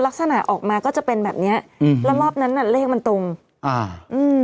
ลักษณะออกมาก็จะเป็นแบบเนี้ยอืมแล้วรอบนั้นน่ะเลขมันตรงอ่าอืม